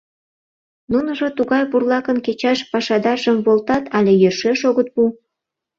Нуныжо тугай бурлакын кечаш пашадаржым волтат але йӧршеш огыт пу.